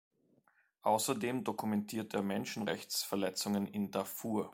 Außerdem dokumentiert er Menschenrechtsverletzungen in Darfur.